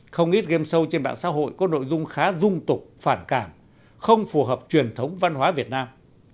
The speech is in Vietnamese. không ít game show trên mạng xã hội có nội dung khá dung tục phản cảm không phù hợp truyền thống văn hóa việt nam